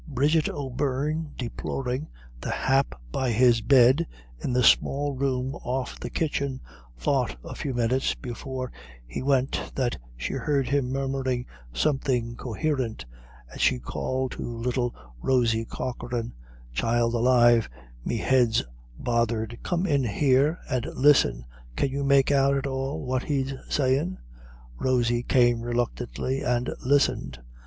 Bridget O'Beirne, deploring the hap by his bed in the small room off the kitchen, thought a few minutes before he went that she heard him murmuring something coherent, and she called to little Rosy Corcoran, "Child alive me head's bothered come in here and listen, can you make out at all what he's sayin'?" Rosy came reluctantly and listened.